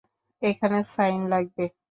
এখানে সাইন লাগবে।